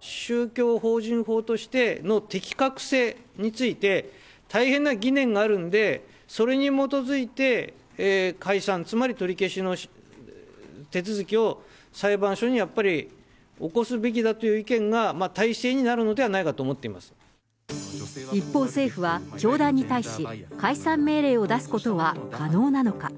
宗教法人法としての適格性について、大変な疑念があるんで、それに基づいて解散、つまり取り消しの手続きを裁判所に、やっぱり起こすべきだという意見が大勢になるのではないかと思っ一方、政府は教団に対し、解散命令を出すことは可能なのか。